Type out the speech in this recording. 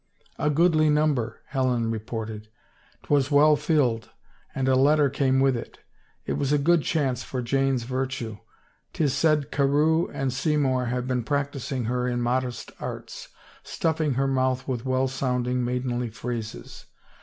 "" A goodly number," Helefi reported. " Twas well filled, and a letter came with it. It was a good chance for Jane's virtue. ... 'Tis said Carewe and Seymour have been practicing her in modest arts, stuffing her mouth with well sounding, maidenly phrases.